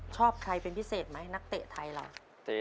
ชอบใครเป็นพิเศษไหมนักเตะไทยเรา